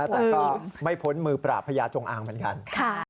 แต่ก็ไม่พ้นมือปราบพญาจงอางเหมือนกัน